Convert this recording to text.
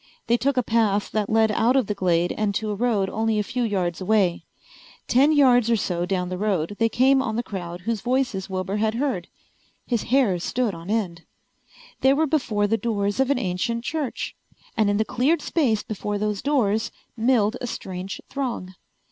They took a path that led out of the glade and to a road only a few yards away. Ten yards or so down the road they came on the crowd whose voices Wilbur had heard. His hair stood on end. They were before the doors of an ancient church. And in the cleared space before those doors milled a strange throng.